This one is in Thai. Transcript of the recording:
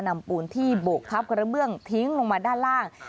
ปูนที่โบกทับกระเบื้องทิ้งลงมาด้านล่าง